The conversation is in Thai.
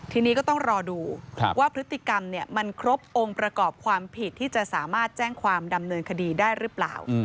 ทีนี้ก็ต้องรอดูว่าพฤติกรรมมันครบองค์ประกอบความผิดที่จะสามารถแจ้งความดำเนินคดีได้หรือเปล่า